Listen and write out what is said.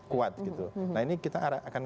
kuat gitu nah ini kita akan